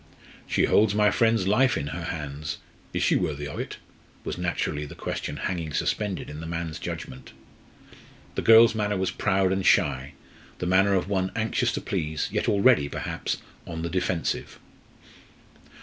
"She holds my friend's life in her hands is she worthy of it?" was naturally the question hanging suspended in the man's judgment. The girl's manner was proud and shy, the manner of one anxious to please, yet already, perhaps, on the defensive.